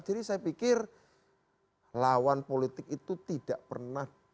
jadi saya pikir lawan politik itu tidak pernah